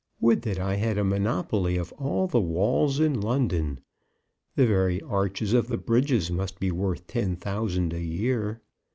Would that I had a monopoly of all the walls in London! The very arches of the bridges must be worth ten thousand a year.